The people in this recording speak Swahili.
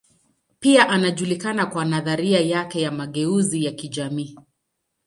Pia anajulikana kwa nadharia yake ya mageuzi ya kijamii.